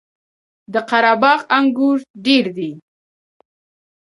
د قره باغ انګور ډیر دي